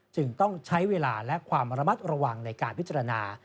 จึงต้องใช้เวลาและความระมัดระวังในการพิจารณา